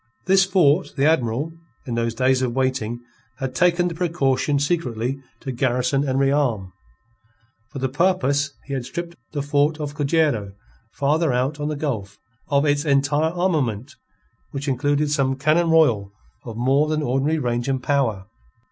This fort the Admiral, in those days of waiting, had taken the precaution secretly to garrison and rearm. For the purpose he had stripped the fort of Cojero, farther out on the gulf, of its entire armament, which included some cannon royal of more than ordinary range and power.